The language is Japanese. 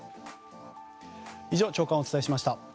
以上、朝刊をお伝えしました。